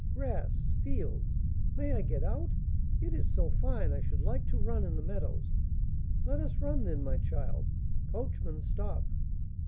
Grass! Fields! May I get out? It is so fine! I should so like to run in the meadows." "Let us run, then, my child. Coachman, stop."